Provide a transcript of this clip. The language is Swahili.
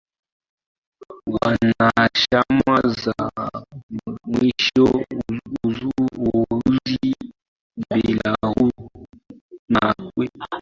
wanachama za mwisho Urusi Belarus na Ukraine ziliamua kumaliza Umoja wa